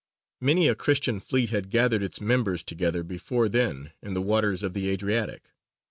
Many a Christian fleet had gathered its members together before then in the waters of the Adriatic.